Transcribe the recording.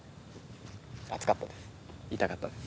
熱かったです。